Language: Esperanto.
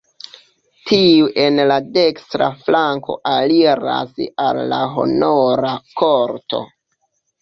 Tiu en la dekstra flanko aliras al la honora korto.